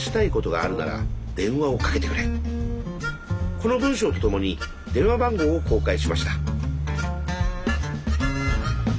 この文章と共に電話番号を公開しました。